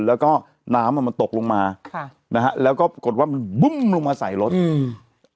แล้วก็น้ำอ่ะมันตกลงมาค่ะนะฮะแล้วก็ปรากฏว่ามันบึ้มลงมาใส่รถอืม